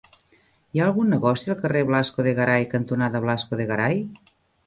Hi ha algun negoci al carrer Blasco de Garay cantonada Blasco de Garay?